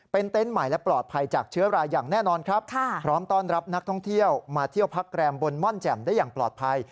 เป็นเต็นต์ใหม่และปลอดภัยจากเชื้อรายอย่างแน่นอนครับพร้อมต้อนรับนักท่องเที่ยวมาเที่ยวพักแรมบนม่อนแจ่มได้อย่างปลอดภัย